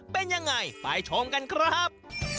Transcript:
เป็นยังไงไปชมกันครับ